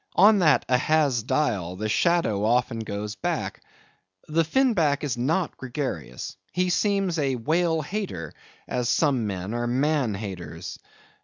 On that Ahaz dial the shadow often goes back. The Fin Back is not gregarious. He seems a whale hater, as some men are man haters.